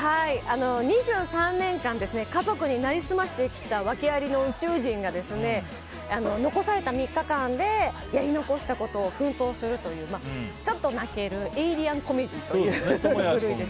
２３年間、家族になりすましてきた訳あり宇宙人が残された３日間でやり残したことに奮闘するちょっと泣けるエイリアンコメディーです。